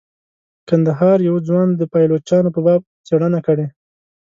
کندهار یوه ځوان د پایلوچانو په باب څیړنه کړې.